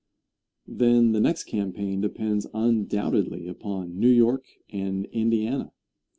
Answer. Then the next campaign depends undoubtedly upon New York and Indiana.